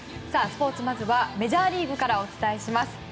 スポーツ、まずはメジャーリーグからお伝えします。